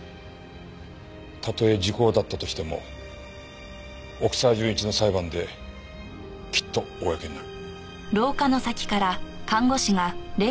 たとえ時効だったとしても奥沢純一の裁判できっと公になる。